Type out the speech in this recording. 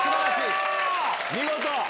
見事！